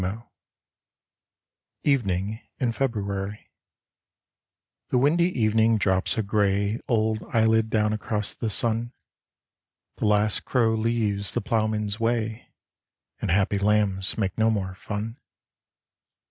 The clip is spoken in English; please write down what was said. io6 EVENING IN FEBRUARY The windy evening drops a grey Old eyelid down across the sun, The last crow leaves the ploughman's way, And happy lambs make no more fun.